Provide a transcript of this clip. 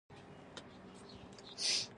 زه د افغانستان حکومت ته هر ډول خدمت ته حاضر یم.